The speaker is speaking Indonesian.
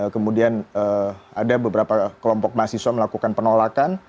kemudian ada beberapa kelompok mahasiswa melakukan penolakan